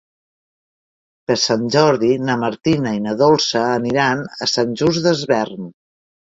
Per Sant Jordi na Martina i na Dolça aniran a Sant Just Desvern.